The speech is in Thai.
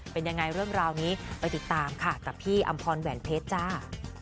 เป็นยังไงเรื่องราวนี้ไปติดตามค่ะกับพี่อำพรแหวนเพชรจ้า